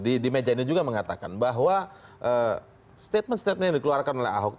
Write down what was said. di meja ini juga mengatakan bahwa statement statement yang dikeluarkan oleh ahok